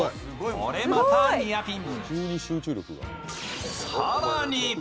これまたニアピン。